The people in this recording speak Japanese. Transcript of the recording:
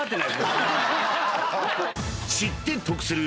［『知って得する！